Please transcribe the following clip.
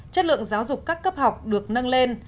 chất lượng giáo dục các cấp học được nâng lên